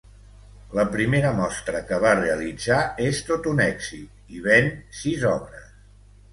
La primera mostra que va realitzar és tot un èxit i ven sis obres.